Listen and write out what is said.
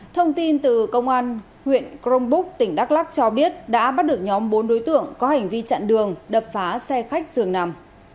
thông tin từ công an huyện crong búc tỉnh đắk lắc cho biết đã bắt được nhóm bốn đối tượng có hành vi chặn đường đập phá xe khách dường nằm